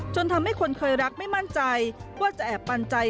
ทำให้คนเคยรักไม่มั่นใจว่าจะแอบปันใจ